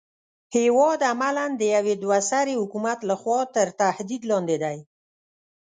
هېواد عملاً د يوه دوه سري حکومت لخوا تر تهدید لاندې دی.